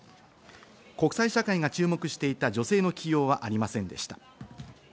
国際社会が注目していた女性の起用はありませんでした。